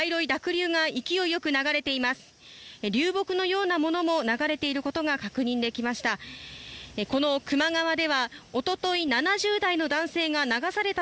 流木のようなものも流れていることが確認できました。